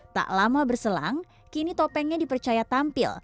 tak lama berselang kini topengnya dipercaya tampil